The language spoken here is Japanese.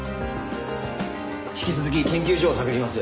引き続き研究所を探ります。